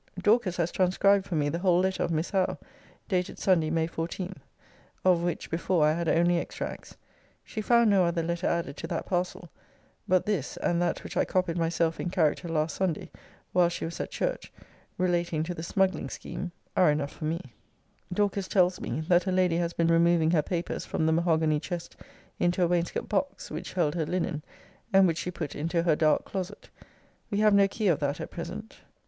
Dorcas has transcribed for me the whole letter of Miss Howe, dated Sunday, May 14,* of which before I had only extracts. She found no other letter added to that parcel: but this, and that which I copied myself in character last Sunday whilst she was at church, relating to the smuggling scheme, are enough for me. * See Vol. IV. Letter XXIX. Ibid. Letter XLII. Dorcas tells me, that her lady has been removing her papers from the mahogany chest into a wainscot box, which held her linen, and which she put into her dark closet. We have no key of that at present.